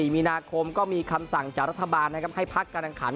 ๑๔๒๔มีนาคมก็มีคำสั่งจากรัฐบาลให้พักกำหนังขัน